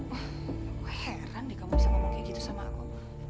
wah aku heran deh kamu bisa ngomong kayak gitu sama aku